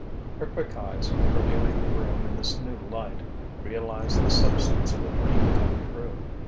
Her quick eyes, reviewing the room in this new light, realized the substance of a dream come true.